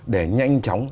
để nhanh chóng